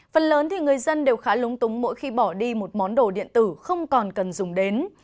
phần lớn thì người dân đều khá lúng túng mỗi khi bỏ đi một món đồ điện tử không còn cần dùng đến